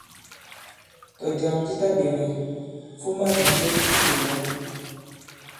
Tɔ̀jàm di taɓēwe, fuma bìkek i yɔ̀ɔ.